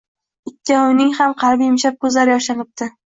Ikkovining ham qalbi yumshab ko`zlari yoshlanibdi